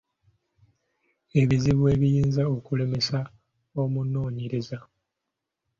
Ebizibu ebiyinza okulemesa omunoonyereza.